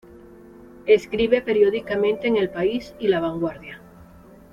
Escribe periódicamente en El País y La Vanguardia.